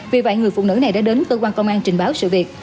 vì vậy người phụ nữ này đã đến cơ quan công an trình báo sự việc